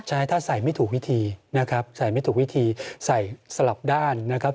ใช่ถ้าใส่ไม่ถูกวิธีนะครับใส่ไม่ถูกวิธีใส่สลับด้านนะครับ